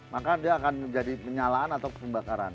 maka dia akan menjadi penyalaan atau pembakaran